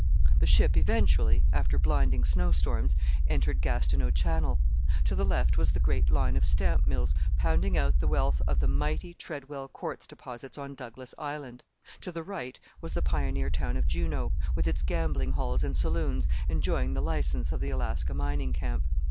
The ship eventually after blinding snowstorms entered Gastineau Channel. To the left was the great line of stamp mills pounding out the wealth of the mighty Treadwell quartz deposits on Douglas Island; to the right was the pioneer town of Juneau, with its gambling halls and saloons enjoying the licence of the Alaska mining camp.